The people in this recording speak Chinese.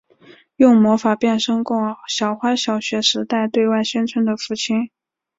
用魔法变身过小花小学时代对外宣称的父亲。